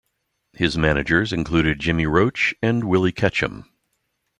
His managers included Jimmy Roche and Willie Ketchum.